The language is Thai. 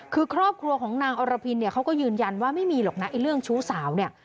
คือครอบครัวของนางอรพินเขาก็ยืนยันว่าไม่มีหรอกนะเรื่องชู้สาว